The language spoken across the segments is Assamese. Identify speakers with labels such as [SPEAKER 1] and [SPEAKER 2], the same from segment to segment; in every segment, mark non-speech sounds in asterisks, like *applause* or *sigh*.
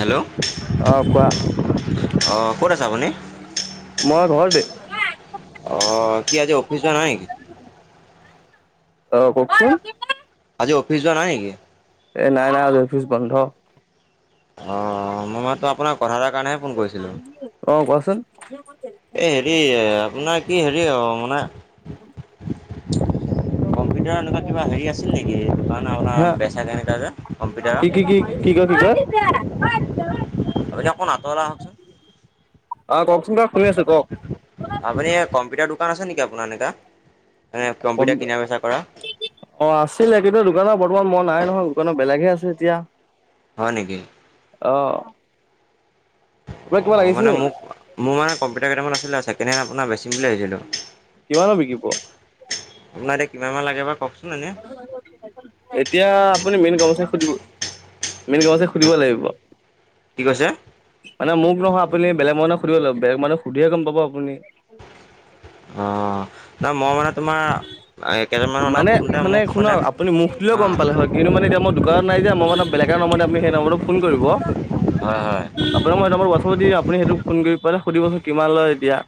[SPEAKER 1] হেল্ল'।
[SPEAKER 2] অ কোৱা
[SPEAKER 1] অ', ক'ত আছে আপুনি?
[SPEAKER 2] মই ঘৰতে
[SPEAKER 1] অ', কি আজি অফিচ যোৱা নাই নেকি?
[SPEAKER 2] অ', কওঁকচোন।
[SPEAKER 1] আজি অফিচ যোৱা নাই নেকি?
[SPEAKER 2] এ নাই নাই আজি অফিচ বন্ধ।
[SPEAKER 1] অহ, মই মাত্ৰ আপোনাৰ কথা এটাৰ কাৰণেহে ফোন কৰিছিলোঁ।
[SPEAKER 2] অহ, কোৱাচোন?
[SPEAKER 1] এই হেৰি, আপোনাৰ কি হেৰি মানে কম্পিউটাৰৰ এনেকুৱা কিবা হেৰি আছিল নেকি
[SPEAKER 2] হা
[SPEAKER 1] *unintelligible* বেচাগ কেনেকুৱা যে
[SPEAKER 2] কি কি কি
[SPEAKER 1] কম্পিউটাৰৰ।
[SPEAKER 2] কি কয়, কি কয়।
[SPEAKER 1] আপুনি অকন আতৰলে আহক কোন।
[SPEAKER 2] অহ, কওকচোন বাৰু শুনি আছোঁ কওঁক।
[SPEAKER 1] আপুনি কম্পিউটাৰ দোকান আছে নেকি আপোনাৰ এনেকা, এ কম্পিউটাৰ কিনাৰ বেচাৰ কৰা।
[SPEAKER 2] অহ, আছিলে কিন্তু দোকানত বৰ্তমান মন নাই নহয়, দোকানত বেলেগহে আছে এতিয়া।
[SPEAKER 1] হয় নেকি?
[SPEAKER 2] অহ।
[SPEAKER 1] অহ, মানে মোক, মোৰ মানে কম্পিউটাৰ কেইটামান আছিলে সেইকাৰণে আপোনাৰ বেচিম বুলি ভাবিছিলোঁ।
[SPEAKER 2] কিমানত বিকিব?
[SPEAKER 1] আপোনাৰ এতিয়া কিমান মান লাগে বাৰু কোৱাচোন এনেই।
[SPEAKER 2] এতিয়া আপুনি মেইন গাঁৱতে সুধিব। মেইন গাঁৱতে সুধিব লাগিব।
[SPEAKER 1] কি কৈছে?
[SPEAKER 2] মোক নহয় আপুনি বেলে মানুহক সুধিব লাগিব, বেলেগ মানুহক সুধিলেহে গম পাব আপুনি। *unintelligible*
[SPEAKER 1] অহ। নাই মই মানে তোমাৰ, এই কেইটামান মানুকক
[SPEAKER 2] মানে
[SPEAKER 1] সুধোতে মোক মানে
[SPEAKER 2] শুনক আপুনি মোক সুধিলেও গম
[SPEAKER 1] অহ।
[SPEAKER 2] পালে হয় কিন্তু মানে এতিয়াই দোকানত নাই যে, মই মানে বেলেগ নম্বৰ দিওঁ আপুনি সেই নম্বৰটো ফোন কৰিব।
[SPEAKER 1] হয়, হয়।
[SPEAKER 2] আপোনাক মই এট‌ নম্বৰ হোৱাটছত দিম আপুনি সেইটোত ফোন কৰি পেলে সুধিব চোন কিমান লয় এতিয়া।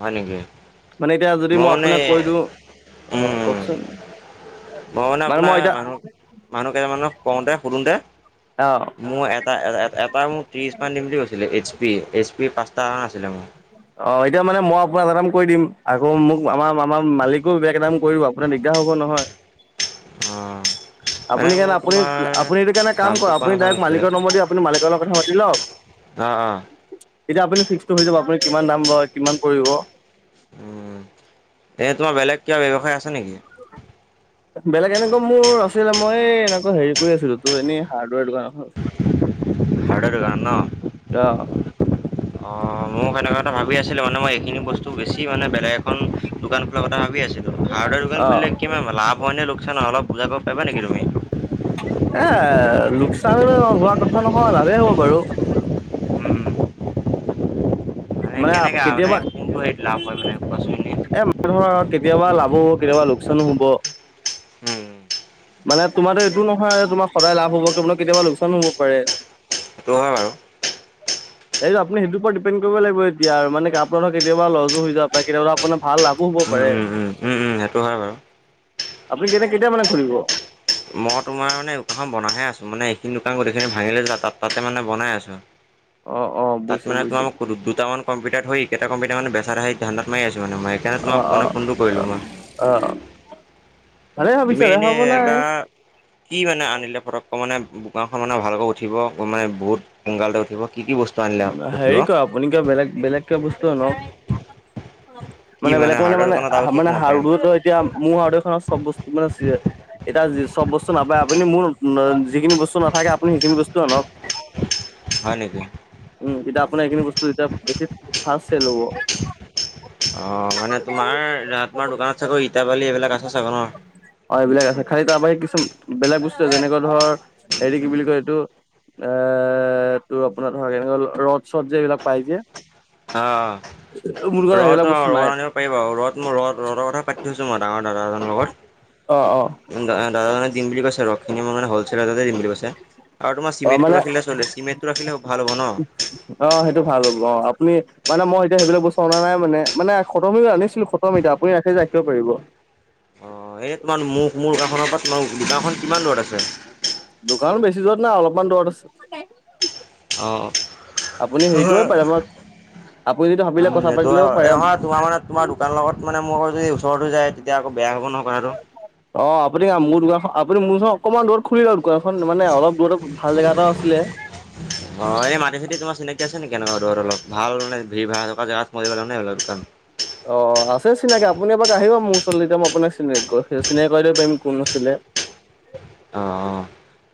[SPEAKER 1] হয় নেকি?
[SPEAKER 2] মানে এতিয়া যদি মই আপোনাক কৈ দিওঁ। অহ,
[SPEAKER 1] উম,
[SPEAKER 2] কওঁকচোন
[SPEAKER 1] মই
[SPEAKER 2] মানে
[SPEAKER 1] আপোনাৰ
[SPEAKER 2] মই এতিয়া
[SPEAKER 1] মানুহ মানুহ কেইজনমানক কওঁতে সুধোঁতে
[SPEAKER 2] অহ।
[SPEAKER 1] মোৰ এটা, এ-এ-এটা মোক ত্ৰিছমান দিম বুলি কৈছিলে এইচ পি, এইচ পি পাঁচটা আছিলে মোৰ।
[SPEAKER 2] অহ, এতিয়া মানে মই আপোনাৰ এটা‌ দাম কৰি দিম, আকৌ মোক আমাৰ-আমাৰ মালিকো বেলেগ এটা দাম কৈ দিব। আপোনাৰ দিগদাৰ হ'ব নহয়।
[SPEAKER 1] অহ।
[SPEAKER 2] আপুনি সেইকাৰণে আপুনি-আপুনি এইটো কাৰণে কাম
[SPEAKER 1] দামটো
[SPEAKER 2] কৰা আপুনি
[SPEAKER 1] কোৱা
[SPEAKER 2] ডাইৰেক্ট
[SPEAKER 1] নাছিল
[SPEAKER 2] মালিকৰ নম্বৰ দি আপুনি মালিকৰ লগত কথা পাতি লওঁক।
[SPEAKER 1] অহ', অহ'।
[SPEAKER 2] এতিয়া আপুনি ফিক্সটো হৈ যাব, আপুনি কিমান দাম লৈ, কিমান পৰিব।
[SPEAKER 1] উম, এনেই তোমাৰ বেলেগ কিবা ব্যৱসায় আছে নেকি?
[SPEAKER 2] বেলেগ এনেকুৱা মোৰ আছিলে মই এনেকুৱা হেৰি কৰি আছিলোঁ তোৰ এনেই হাৰ্ডৱেৰ দোকান এখন আছিল।
[SPEAKER 1] হাৰ্ডাৰ দোকান ন'।
[SPEAKER 2] অহ।
[SPEAKER 1] অহ, মইয়ো সেনেকুৱা এটা ভাবি আছিলোঁ মানে মই এইখিনি বস্তু বেছি মানে বেলেগ এখন দোকান খোলাৰ কথা ভাবি আছিলোঁ। হাৰ্ডৱেৰ দোকান
[SPEAKER 2] অ অ
[SPEAKER 1] খুলিলে কিমান হ'ব, লাভ হয় নে লোকচান। অলপ বজাই ক'ব পাৰিবা নেকি তুমি?
[SPEAKER 2] এ লোকচান হোৱা কথা নহয় লাভেই হ'ব বাৰু।
[SPEAKER 1] উম, মানে কেনেকে আৰু মানে কোনটো হেৰিত লাভ হয় মানে কোৱাচোন এনেই।
[SPEAKER 2] এ মানে ধৰক কেতিয়াবা লাভ হ'ব, কেতিয়াবা লোকচানো হ'ব।
[SPEAKER 1] উম।
[SPEAKER 2] মানে তোমাৰ‌তো এইটো নহয় যে তোমাৰ সদায় লাভ হ'ব, কেতিয়া লোকচান হ'ব পাৰে।
[SPEAKER 1] সেইটো হয় বাৰু।
[SPEAKER 2] এইটো আপুনি সেইটোৰ ওপৰত ডিপেণ কৰিব লাগিব এতিয়া মানে আপুনাৰ কেতিয়াবা লচো হৈ যাব পাৰে, কেতিয়াবা আপোন ভাল লাভ
[SPEAKER 1] উম-উম-উম', উম-উম' সেইটো হয় বাৰু।
[SPEAKER 2] আপুনি কেতিনে কেেইতিয়া মানে ঘুৰিব
[SPEAKER 1] মই তোমাৰ মান দুানখন বনাহে আছো মানে এইখিনি দোকান গোটেইখিনি ভাঙিলে যা তা মানে বনাই আছো
[SPEAKER 2] অ অ
[SPEAKER 1] তাত
[SPEAKER 2] বুজিছো
[SPEAKER 1] মানে
[SPEAKER 2] বুজিছো
[SPEAKER 1] তোমাৰ মোক দুটামান কম্পিউটাৰ হৈেইটা কম্পিউটাৰ মানে বেচাৰ আহি ধাানণ্ডাত মাৰি আছোঁ মানে মই সেইকাৰণে
[SPEAKER 2] অ
[SPEAKER 1] তোমাক
[SPEAKER 2] অ
[SPEAKER 1] মানে ফোনটো কৰিলোঁ মই
[SPEAKER 2] অ ভালে ভাবিছা বেয়া
[SPEAKER 1] তুমিনে
[SPEAKER 2] ভাবা নাই
[SPEAKER 1] এটা কি মানে আনিলে পটককৈ মানে বোকানখন মানে ভালকৈ উঠিব মানে বহুত সকালতে উঠিব কি কি বস্তু আনিলে উঠিব
[SPEAKER 2] হেৰি ক আপুনি কিয় বেলেগ বেলেগ কে বস্তুনও
[SPEAKER 1] কি
[SPEAKER 2] মানে বেলেগ মানে
[SPEAKER 1] হাৰ্ডৰ
[SPEAKER 2] মানে
[SPEAKER 1] দোকানত আৰু কি
[SPEAKER 2] মানে
[SPEAKER 1] সোমাব পাৰিম
[SPEAKER 2] সাৰুো এতিয়া মোৰ সডু এত চব বস্তু মানে এতিয়া চব বস্তু নাপায় আপুনি মোৰ যিখিনি বস্তু নাথাকে আপুনি সেইখিনি বস্তু আনক
[SPEAKER 1] হয় নেকি
[SPEAKER 2] উম এতিয়া আপোনাৰ এইখিনি বস্তু এতিয়া বেছি ফা চেল হ'ব
[SPEAKER 1] অ মানে তোমাৰ তোমাৰ দোকানত চাগ ইতাবালি এইবিলাক আছে চাগ ন
[SPEAKER 2] অ এইবিলাক আছে খালি তাৰ বাহি কিছুমান বেলেগ বস্তু যেনেকুৱা ধৰ হেৰি কি বুলি কয় এইটো এ তোৰ আপোনাৰ ধৰা কেনেক ৰদ চৰ্জা এইবিলাক পাই যেিয় মুৰ্গনা সেইবিলাক বস্তু নাই
[SPEAKER 1] পি বাৰ ৰ'দ মই ৰদ ৰৰ কথা পাতিছো মই ডাঙৰ দাদা এজন
[SPEAKER 2] অ অ
[SPEAKER 1] দাদাজানে দিম বুলি কৈছে ৰসখিনি মই মানে হ'লছেেলতে দিম বুলি কৈছে আৰু
[SPEAKER 2] অ মানে
[SPEAKER 1] তোমাৰিেণ্টটোখিলে চলে চিমেণ্টটো ৰাখিলে ভাল হ'ব ন
[SPEAKER 2] অ সেইটো ভাল হ'ল অ আপুনি মানে মই এতিয়া সেইিলাক বস্তু অনা নাই মানে মানে খতমিক আনিছিলো খতম এতিয়া আপুনি ৰাখি ৰাখিব পাৰিব
[SPEAKER 1] অ এনে তোমাৰ মোক মোৰ গখনৰ পৰা তোমাৰ গাওখন কিমান দূৰত আছে
[SPEAKER 2] দোকানত বেছি যৰত নাই অলপমান দূৰত আছে
[SPEAKER 1] অঁ
[SPEAKER 2] আপুনি হেৰি কৰিব পাৰে আমাক আপুনি যদি ভাবিলে
[SPEAKER 1] উম
[SPEAKER 2] কথা
[SPEAKER 1] এইটো
[SPEAKER 2] পাতিলেও পাৰে
[SPEAKER 1] নহয় তোমাৰ মানে তোমাৰ দোকান লগত মানে মোৰ আৌ যদি ওচৰৰতো যায় তেতিয়া আক বেয়া হ'ব নয় কথাটো
[SPEAKER 2] অ আপুনি মোৰ দান আপুনি মোৰ চওক অকণমান দূৰত খুলি লওঁ দোকানখন মানে অলপ দূৰত ভাল জেগা এটা আছিলে
[SPEAKER 1] অ এনে মাটি চেতি তোাৰ চিনাকি আছে নেকি কেনেুৱা ধৰত অলপ ভাল মান ভিৰ ভা় থকা জেগাত মে নে অলপ দোকান
[SPEAKER 2] অ আছে চিনাকি আপুনি এবাক আহিব মোৰ ওচৰলৈ যেতিয়া মই আপোনাকিন চিনাকি কৰা দিব পাৰিম কোন নছিলিনে
[SPEAKER 1] অ অ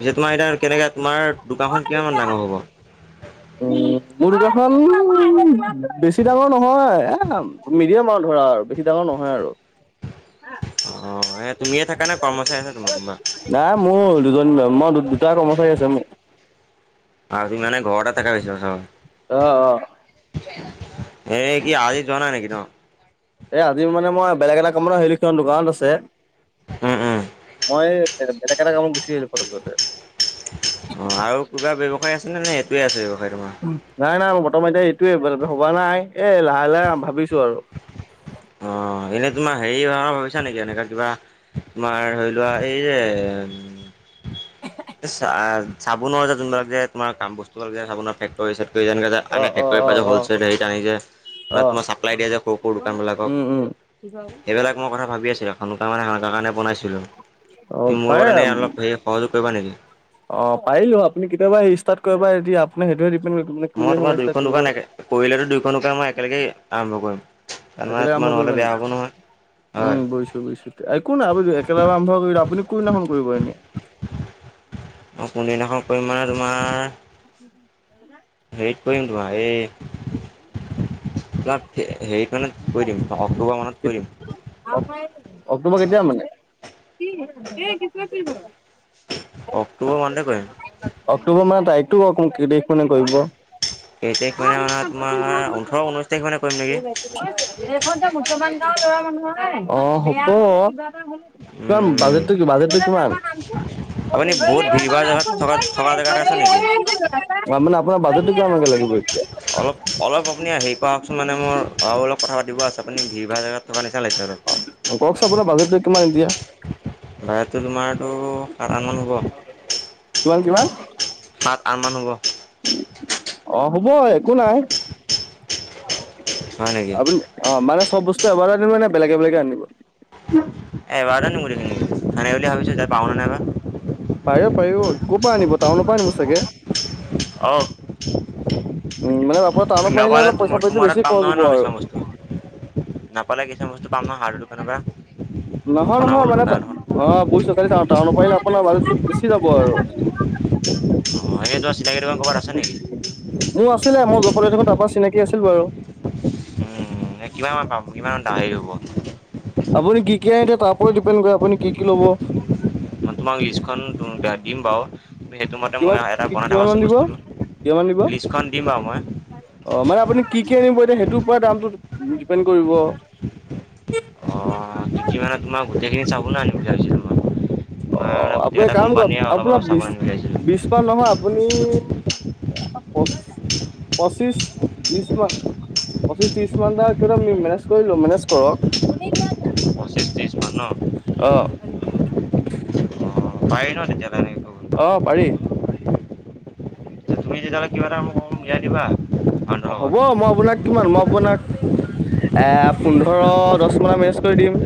[SPEAKER 1] পি তোমাৰ এতিয়া কেনেকৈ তোমাৰ দোকানখন কিমান মান ডাঙৰ হ'ব
[SPEAKER 2] উ মোৰ দোকখন বেছি ডাঙৰ নহয় এ মিডিয়াম আৰু ধৰা আৰু বেছি ডাঙৰ নহয় আৰু
[SPEAKER 1] অ এ তুমিয়ে থাকা নে কৰ্মচাৰী আছে তোমাৰ কোনোবা
[SPEAKER 2] নাই মোৰ দুজন মই দুটা কৰ্মচাৰী আছে মোৰ
[SPEAKER 1] আৰু তুমিানে ঘৰ এটা থকা পৈছা চ
[SPEAKER 2] অ অ
[SPEAKER 1] এ কি আজি য নাই নেকি ত
[SPEAKER 2] এ আজি মানে মই বেলেগ এটা কাম হেইখনৰ দোকানত আছে
[SPEAKER 1] উম উম
[SPEAKER 2] মই বেলেগ এটা কামত গুচি আহিলো ঘৰ
[SPEAKER 1] অ আৰু কিবা ব্যৱসায় আছেনেে নে সেইটোয়ে আছে ব্যৱসায় তোমাৰ
[SPEAKER 2] নাই নাই ম বৰ্তমান এতিয়া এইটোয়ে ভবা নাই এই লাহে লাহে ভাবিছো আৰু
[SPEAKER 1] অ এনেই তোমাৰ হেৰি হয় ভাবিছা নেকি এনেককাা কিবা তোমাৰ ধৰি লোৱা এই যে এ চাবোনৰ যে যোনবিলাক যে তুমাৰ কাম বস্তুবাক যে চাবোনৰ ফেকটৰ কৰিনে
[SPEAKER 2] অ
[SPEAKER 1] আ
[SPEAKER 2] অ
[SPEAKER 1] ফেক্ৰী
[SPEAKER 2] অ
[SPEAKER 1] পাই
[SPEAKER 2] অ
[SPEAKER 1] হলেল হেৰিত আনি যে
[SPEAKER 2] অ
[SPEAKER 1] বা তোমাৰ চাপ্লাই দিয়া যে সৰু সৰু দোকান বিলাকক
[SPEAKER 2] উম উম
[SPEAKER 1] এইেইবিলাক মই কথা ভাবি আছিলো স মানে সেনে কাৰণে বনাইছিলো
[SPEAKER 2] অ
[SPEAKER 1] তুমি মোৰ
[SPEAKER 2] পাৰে
[SPEAKER 1] লগত এনে অলপ সেৰি সহযোগ কৰিবা নেকি
[SPEAKER 2] অ পাৰিলো আপুনি কেতিয়াবা ষ্টাৰ্ কৰিবা এ আপু সেইটোেিপে
[SPEAKER 1] মই তোমাৰ দুইখন দোকানে কৰিলেতো দুইখন দোকান মই একেলগে আৰম্ভ কৰিম
[SPEAKER 2] একেলগে
[SPEAKER 1] তাৰমানে
[SPEAKER 2] আৰম্ভ
[SPEAKER 1] তোমাৰ
[SPEAKER 2] কৰিবা
[SPEAKER 1] নহ'লে বেয়া
[SPEAKER 2] নেকি
[SPEAKER 1] হ'ব নহয়,
[SPEAKER 2] উম
[SPEAKER 1] হয়।
[SPEAKER 2] বুজিছো একো নাই আমি একেলগে আৰম্ভ কৰিলো, আপুনি কোনদিনাখন কৰিব এনে?
[SPEAKER 1] অ' কোনদিনাখন কৰিম মানে তোমাৰ
[SPEAKER 2] *unintelligible*
[SPEAKER 1] হেৰিত কৰিম তোমাৰ এই প্লাত হেৰিত মানত কৰি দিম, অক্টোবৰ মানত কৰি দিম।
[SPEAKER 2] অক্টোবৰ কেতিয়া মানে?
[SPEAKER 1] অক্টোবৰ মানতে কৰিম।
[SPEAKER 2] অক্টোবৰ মাহৰ তাৰিখটো ক'ক কেইতাৰিখ মানে কৰিব?
[SPEAKER 1] কেইতাৰিখ মানে, মানে তোমাৰ ওঠৰ ঊনৈশ তাৰিখ মানে কৰিম নেকি।
[SPEAKER 2] এইখন যে মুছলমান গাওৰ ল'ৰা মানুহৰ যে, অ' হ'ব। তোমাৰ
[SPEAKER 1] উম
[SPEAKER 2] বাজেটটো কি, বাজেটটো কিমান?
[SPEAKER 1] আপুনি
[SPEAKER 2] *unintelligible*
[SPEAKER 1] বহুত ভিৰ ভাৰ জেগাত
[SPEAKER 2] মানে
[SPEAKER 1] থকা থকা জেগাত
[SPEAKER 2] আপোনাৰ
[SPEAKER 1] আছে নেকি
[SPEAKER 2] বাজেটটো কিমানকে লাগিব এতিয়া?
[SPEAKER 1] অলপ অলপ আপুনি হেৰি কৰাকচোন মানে মোৰ আৰু অল কথা পাতিব আছে, আপুনি ভিৰ ভাৰ জেগাত থকা নিচনা লাগছে ধৰক।
[SPEAKER 2] অ কওকচোন আপোনাৰ বাজেটটা কিমান এতিয়া?
[SPEAKER 1] বাজেটটো তোমাৰটো সাত হাজাৰ মান হ'ব।
[SPEAKER 2] কিমান কিমান?
[SPEAKER 1] সাত, আঠ মান হ'ব।
[SPEAKER 2] অ' হ'ব একো নাই।
[SPEAKER 1] হয় নেকি
[SPEAKER 2] আপুনি অ' মানে চব বস্তু এবাৰে আনিব নে বেলেগে বেলেগে আনিব?
[SPEAKER 1] এবাৰত আনিম গোটেইখিনি, ভালে বুলি ভাবিছোঁ এতিয়া পাৰোঁ নে নাই বা।
[SPEAKER 2] পাৰিব পাৰিব। ক'ৰপৰা আনিব টাউনৰপৰা আনিব চাগে।
[SPEAKER 1] অঁ
[SPEAKER 2] উম, মানে আপোনাৰ টাউনৰপৰা আনিলে
[SPEAKER 1] নাপালে
[SPEAKER 2] অলপ
[SPEAKER 1] তোমাৰ
[SPEAKER 2] পইচা পাতিটো
[SPEAKER 1] তোমাৰ তাত
[SPEAKER 2] বেছি
[SPEAKER 1] পাম
[SPEAKER 2] খৰচ
[SPEAKER 1] নহয়
[SPEAKER 2] হ'ব
[SPEAKER 1] ন
[SPEAKER 2] আৰু।
[SPEAKER 1] কিছুমান বস্তু নাপালে কিছুমান বস্তু পাম নহয় হাৰ্ডৱেৰ দোকানৰপৰা।
[SPEAKER 2] নহয় নহয় মানে, অ' বইছ তালি টাউনৰপৰা পাৰিলে আপোনাৰ মানে বেছি যাব আৰু।
[SPEAKER 1] *inaudible* অ' সেইটোৱা চিনাকি তোমাৰ ক'বাত আছে নেকি?
[SPEAKER 2] মোৰ আছিলে মই যৰ পৰা লৈ থাকো তাৰ পৰা চিনাকি আছিল বাৰু
[SPEAKER 1] মানে কিমান মান পাম, কিমান হেৰি হ'ব?
[SPEAKER 2] আপুনি কি আনি দিয়ে তাৰপৰাই ডিপেণ্ড কৰে আপুনি কি কি ল'ব।
[SPEAKER 1] মই তোমাক লিষ্টখন দিম বাৰু। সেইটো মতে মোক
[SPEAKER 2] কিমান
[SPEAKER 1] এটা বনাই
[SPEAKER 2] কিমান মান
[SPEAKER 1] থবাচোন
[SPEAKER 2] দিব
[SPEAKER 1] বস্তুটো,
[SPEAKER 2] কিমান মান দিব
[SPEAKER 1] লিষ্টখন দিম বাৰু মই।
[SPEAKER 2] অ' মানে আপুনি কি কি আনিব এতিয়া, সেইটোৰপৰা দামটো ডিপেণ্ড কৰিব।
[SPEAKER 1] অ' কি কি মানে তোমাৰ গোটেইখিনি চাবুনে আনিম বুলি ভাবিছিলো তোমাক।
[SPEAKER 2] অ' আপুনি কাম কৰক আপোনাৰ
[SPEAKER 1] চাবোন
[SPEAKER 2] বিশ,
[SPEAKER 1] আনিম বুলি ভাবিছিলোঁ
[SPEAKER 2] বিশ মান নহয় আপুনি প-পঁচিশ ত্ৰিশ মান পঁচিশ ত্ৰিশ মানটাক মেনেজ কৰিলো, মেনেজ কৰক।
[SPEAKER 1] পঁচিছ ত্ৰিছ মান ন'?
[SPEAKER 2] অ'।
[SPEAKER 1] পাৰি ন' তেতিয়াবা এনেকে? কৰিব
[SPEAKER 2] অ' পাৰি।
[SPEAKER 1] তুমি তেতিয়াহ'লে কিবা এটা মোক মিলাই দিবা মানুহটোৰ
[SPEAKER 2] অ
[SPEAKER 1] লগত।
[SPEAKER 2] হ'ব মই আপোনাক কিমান মই আপোনাক এ, পোন্ধৰ দছ মানত মেনেজ কৰি দিম।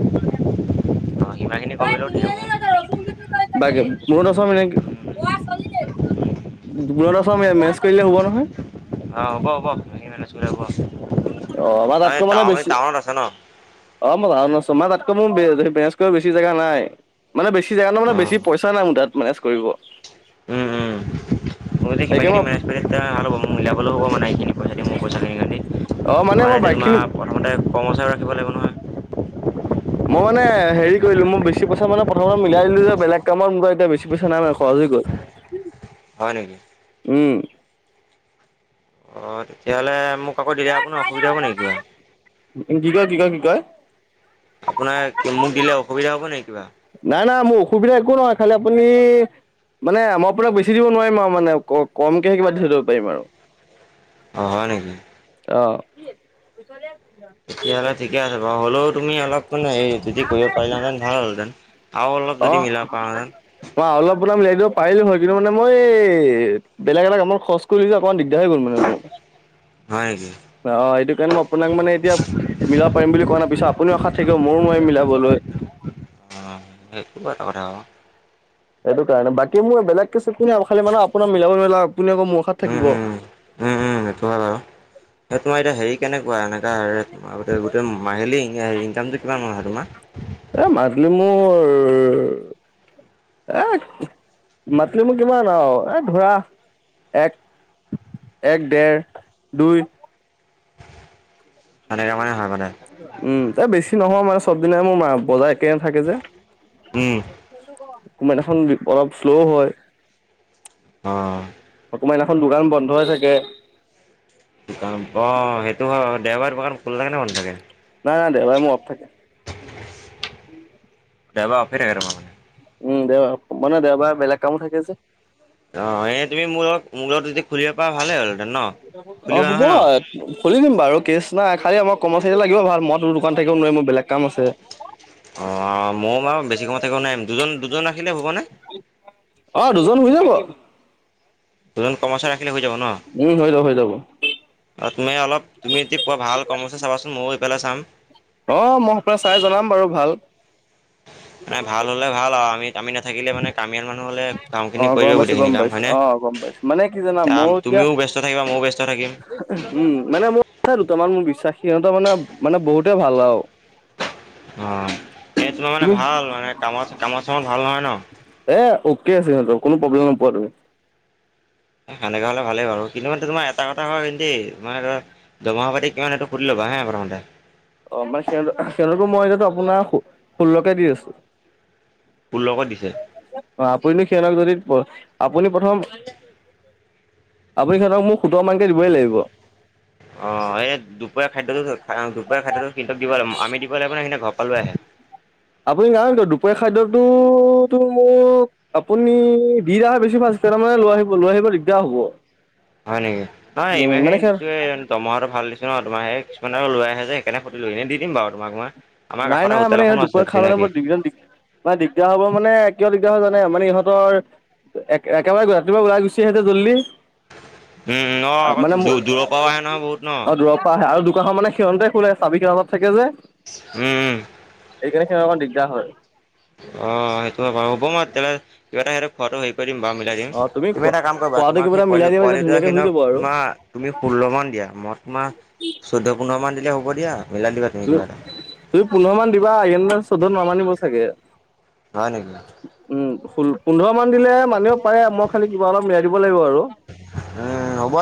[SPEAKER 1] অ' সিমানখিনি কমিলেও ধেৰ মোৰ।
[SPEAKER 2] বাকে *unintelligible* দুবৰলে মেনেজ কৰিলে হ'ব নহয়?
[SPEAKER 1] অ' হ'ব হ'ব, ধুনীয়াকে মেনেজ কৰিলে হ'ব।
[SPEAKER 2] অ' আমাৰ
[SPEAKER 1] আৰু
[SPEAKER 2] তাতকে
[SPEAKER 1] এই
[SPEAKER 2] মানে বেছি
[SPEAKER 1] টাউনত আছে ন।
[SPEAKER 2] অ' মই ধাৰণ কৰিছোঁ মোৰ তাতকৈ মেনেজ কৰিব বছি জাগা নাই, মানে বেছি জাগা ন' মানে
[SPEAKER 1] অ'
[SPEAKER 2] বেছি পইচা নাই মোৰ তাত মেনেজ কৰিব।
[SPEAKER 1] উম, উম, মই *unintelligible* কিবা কিবি তেতিয়া ভাল হ'ব, মই মিলাব হ'ব মানে এইখিনি পইচা দি, মোৰ পইচাখিনি হৈতি,
[SPEAKER 2] অ মানে মই
[SPEAKER 1] এতিয়া তোমাৰ
[SPEAKER 2] বাইকখিনি
[SPEAKER 1] প্ৰথমতে কৰ্মচাৰী ৰাখিব লাগিব নহয়।
[SPEAKER 2] মই মানে হেৰি কৰিলো, মই বেছি পইচা মানে প্ৰথমে মিলাই দিলো যে, বেলেগ কামত মোৰ এতিয়া বেছি পইচা নাই মানে খৰছ হৈ গ'ল।
[SPEAKER 1] হয় নেকি?
[SPEAKER 2] উম।
[SPEAKER 1] অ', তেতিয়া হ'লে মোক আকৌ দিলে, আপোনাৰ অসুবিধা হ'ব নেকি কিবা?
[SPEAKER 2] কি কয় কি কয় কি কয়
[SPEAKER 1] আপোনাৰ মোক দিলে অসুবিধা হ'ব নেকি কিবা?
[SPEAKER 2] নাই, নাই মোৰ অসুবিধা একো নহয়, খালি আপুনি মানে মই আপোনাক বেছি দিব নোৱাৰিম আৰু, মানে কমকে কিবা দি থৈ যাব পাৰিম আৰু।
[SPEAKER 1] অ', হয় নেকি?
[SPEAKER 2] অ'।
[SPEAKER 1] তেতিয়া হ'লে ঠিকে আছে বাৰু। হ'লেও তুমি অলপ মান এই যদি কৰিব পাৰিলােঁতেন ভাল হ'ল হেঁতেন। আৰু অলপ
[SPEAKER 2] অ
[SPEAKER 1] যদি মিলাব পাৰা হেঁতেন।
[SPEAKER 2] মই আৰু অলপ আপোনাক মিলাই দিব পাৰিলো হয়। কিন্তু মানে মই এই বেলেগ এটা কামত খৰচ কৰিদিলো অকণমান দিগদাৰ হৈ গ'ল মান মোৰ।
[SPEAKER 1] হয় নেকি?
[SPEAKER 2] অ', এইটো কাৰণে মই আপোনাক মানে এতিয়া মিলাব পাৰিম বুলি কোৱা নাই। পিছত আপুনিও আশাত থাকিব মইও নোৱাৰিম মিলাবলৈ।
[SPEAKER 1] অ', সেইটো বাৰু এটা কথা।
[SPEAKER 2] সেইটো কাৰণে, বাকী মোৰ বেলেগে কেছ একো নাই, খালি মানে আপোনাক মিলাব নোৱাৰিলে আপুনি আকৌ মোক
[SPEAKER 1] উম, উম, উম, উম, সেইটো হয় বাৰু। এই তোমাৰ এতিয়া হেৰি কেনেকুৱা এনেকা আগতে, গোটেই মাহিলী ইনকামটো কিমান হয় তোমাৰ?
[SPEAKER 2] এ মান্থলী মোৰ এ মান্থলী মোৰ কিমান আৰু, এ ধৰা এক এক, ডেৰ, দুই।
[SPEAKER 1] তেনেকা মানে হয় মানে
[SPEAKER 2] উম, এ বেছি নহয় মানে চব দিনাই মোৰ বজাৰ একে নাথাকে যে।
[SPEAKER 1] উম।
[SPEAKER 2] কোনোবা দিনাখন বি অলপ শ্লো হয়।
[SPEAKER 1] অ'।
[SPEAKER 2] কোনোবা দিনাখন দোকান বন্ধ হৈ থাকে।
[SPEAKER 1] দোকান, অ', সেইটো হয় বাৰু। দেওবাৰে দোকান খোলা থাকে নে বন্ধ থাকে?
[SPEAKER 2] নাই, নাই দেওবাৰে মোৰ অফ থাকে।
[SPEAKER 1] দেওবাৰে অফয়ে থাকে *unintelligible*
[SPEAKER 2] উম, দেওবাৰ। মানে দেওবাৰে বেলেগ কামো থাকে যে।
[SPEAKER 1] অ', এই তুমি মোৰ লগ মোৰ লগটো যদি খুলিব পা ভাল হ'ল হেঁতেন ন
[SPEAKER 2] অ
[SPEAKER 1] খুলিবা
[SPEAKER 2] হ'ব
[SPEAKER 1] নহয় ন।
[SPEAKER 2] খুলি দিম বাৰু কেচ নাই, খালি আমাক কৰ্মচাৰী লাগিব ভাল। মই তোৰ দোকানত থাকিব নোৱাৰিম, মোৰ বেলেগ কাম আছে।
[SPEAKER 1] অ', মইও বাৰু বেছি সময় থাকিব নোৱাৰিম। দুজন, দুজন ৰাখিলে হ'বনে?
[SPEAKER 2] অ', দুজন হয় যাব।
[SPEAKER 1] দুজন কৰ্মচাৰী ৰাখিলে হৈ যাব ন।
[SPEAKER 2] উম, হৈ যাব হৈ যাব
[SPEAKER 1] তুমি অলপ তুমি এতিয়া পোৱা ভাল কৰ্মচাৰী চাবাচোন মইয়ো এইফালে চাম।
[SPEAKER 2] অ', মই এইফালে চাই জনাম বাৰু ভাল।
[SPEAKER 1] মানে ভাল হ'লে ভাল আৰু, আমি, আমি নাথাকিলে মানে কামিয়াল মানুহ হ'লে কামখিনি
[SPEAKER 2] অ'
[SPEAKER 1] কৰি
[SPEAKER 2] গম
[SPEAKER 1] দিব
[SPEAKER 2] পাইছো
[SPEAKER 1] গোটেইখিনি
[SPEAKER 2] গম
[SPEAKER 1] কাম
[SPEAKER 2] পাইছো
[SPEAKER 1] হয়নে।
[SPEAKER 2] অ' গম পাইছো মানে কি জানা
[SPEAKER 1] কাম
[SPEAKER 2] মোৰো এতিয়া
[SPEAKER 1] তুমিও ব্যস্ত থাকিবা, মইও ব্যস্ত থাকিম।
[SPEAKER 2] উম, মানে মোৰ আছে দুটামান, মোৰ বিশ্বাসী সিহঁতৰ মানে, মানে বহুতে ভাল আৰু।
[SPEAKER 1] অ', এই তোমাৰ মানে
[SPEAKER 2] তুমি
[SPEAKER 1] ভাল মানে কামত। কামত-চামত ভাল নহয় ন।
[SPEAKER 2] এ অকে আছে সিহঁতৰ, কোনো প্ৰব্লেম নোপোৱা তুমি।
[SPEAKER 1] সেনেকা হ'লে ভালেই বাৰু, কিন্তু মানে তোমাৰ এটা কথা হয় দেই মানে ধৰা দৰমহা পাতি কিমান সেটো সুধি লবা হা প্ৰথমতে।
[SPEAKER 2] অ', মানে সিহঁত, সিহঁতৰতো মই এতিয়াটো আপোনাৰ সো ষোল্লকে দি আছো।
[SPEAKER 1] ষোল্লশত দিছে।
[SPEAKER 2] অ'! আপুনি সিহঁতক যদি, আপুনি প্ৰথম আপুনি সিহঁতক, মোক সোতৰমানকৈ দিবই লাগিব।
[SPEAKER 1] অ'! এই দুপৰীয়া খাদ্যটো, দুপৰীয়া খাদ্যটো সিহঁতক দিব লাগিব। আমি দিব লাগিব নে, সিহঁতে, ঘৰৰ পৰা লৈ আহে?
[SPEAKER 2] আপুনি, *unintelligible* দুপৰীয়া খাদ্যটোতো, মোক আপুনি দি আহা বেছি ভাল হৈছিলে! *unintelligible* মানে, লৈ আহিব, লৈ আহিব দিগদাৰ হ'ব।
[SPEAKER 1] হয় নেকি? নহয়,
[SPEAKER 2] উম, মানে
[SPEAKER 1] ইমানখিনি
[SPEAKER 2] সিহঁত
[SPEAKER 1] দিছোঁৱে *unintelligible* দৰমহাটো ভাল দিছে ন'! তোমাৰ সেই, কিছুমানে আৰু লৈ আহে যে, সেইকাৰণে, সুধিলোঁ। এনেই, দি দিম বাৰু তোমাক মই। আমাৰ
[SPEAKER 2] নাই,
[SPEAKER 1] কাষতে
[SPEAKER 2] নাই।
[SPEAKER 1] হোটেল
[SPEAKER 2] মানে, সিহঁতে
[SPEAKER 1] এখনো আছে
[SPEAKER 2] দুপৰীয়া খাবলে
[SPEAKER 1] চিনাকি
[SPEAKER 2] মানে, *unintelligible* দিম। মানে, দিগদাৰ হ'ব। মানে, কিয় দিগদাৰ হয়, জানে! মানে, ইহঁতৰ এক, একেবাৰে ৰাতিপুৱা ওলাই গুচি আহে যে জল্দি।
[SPEAKER 1] উম, উম, অ', আকৌ
[SPEAKER 2] মানে
[SPEAKER 1] দূৰৰ
[SPEAKER 2] মোৰ,
[SPEAKER 1] পৰাও আহে নহয় বহুত ন
[SPEAKER 2] অ'! দূৰ পৰা আহে আৰু দোকানৰ মানে সিহঁতে, খোলে। চাবি সিহঁত লগত থাকে যে।
[SPEAKER 1] *unintelligible* উম'!
[SPEAKER 2] এইকাৰণে, সিহঁতৰ অকণ দিগদাৰ হয়।
[SPEAKER 1] অ'! সেইটোৰ হ'ব বাৰু মই তেতিয়া হ'লে, কিবা এটা *unintelligible* খোৱাটো হেৰি কৰি দিম বাৰু মিলাই দিম।
[SPEAKER 2] অ
[SPEAKER 1] তুমি
[SPEAKER 2] খোৱা
[SPEAKER 1] এটা কাম কৰিবা,
[SPEAKER 2] খোৱাটো
[SPEAKER 1] তোমাৰ
[SPEAKER 2] কিবা
[SPEAKER 1] সেই
[SPEAKER 2] এটা মিলাই
[SPEAKER 1] পোৱালি
[SPEAKER 2] দিবা তেতিয়া ধুনীয়াকে হৈ
[SPEAKER 1] *unintelligible*
[SPEAKER 2] যাব আৰু
[SPEAKER 1] তোমাৰ তুমি ষোল্ল মান দিয়া? মই তোমাৰ চৈধ্য-পোন্ধৰ মান দিলে হ'ব দিয়া, মিলাই দিবা তুমি কিবা এটা।
[SPEAKER 2] তুমি পোন্ধৰমান দিবা? *unintelligible* চৈধ্যত নামানিব চাগে!
[SPEAKER 1] *unintelligible*
[SPEAKER 2] উম! পোন্ধৰ মান দিলে, মানিব পাৰে। মই খালি, কিবা অলপ, মিলাই দিব লাগিব আৰু।
[SPEAKER 1] *unintelligible* হ'ব।